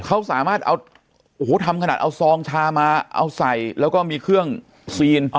เขาสามารถเอาโอ้โหทำขนาดเอาซองชามาเอาใส่แล้วก็มีเครื่องซีน